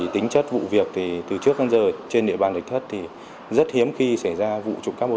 tính chất vụ việc thì từ trước đến giờ trên địa bàn lịch thất thì rất hiếm khi xảy ra vụ